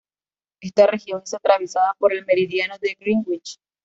Esta región es atravesada por el meridiano de Greenwich.